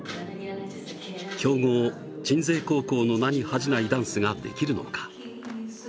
強豪・鎮西高校の名に恥じないダンスができるのか。